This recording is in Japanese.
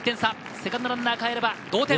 セカンドランナーかえれば同点。